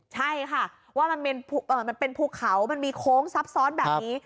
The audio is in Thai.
ใช่ค่ะว่ามันเป็นภูเขามันมีโค้งซับซ้อนแบบนี้